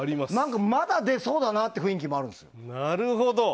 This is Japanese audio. まだ出そうだなって雰囲気があるんですよ。